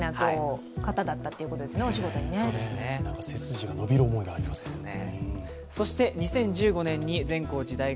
背筋が伸びる思いがありますね。